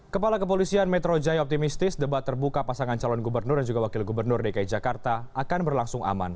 kepala kepolisian metro jaya optimistis debat terbuka pasangan calon gubernur dan juga wakil gubernur dki jakarta akan berlangsung aman